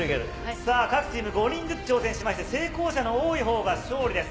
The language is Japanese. さあ、各チーム、５人ずつ挑戦しまして、成功者の多いほうが勝利です。